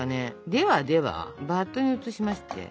ではではバットに移しまして。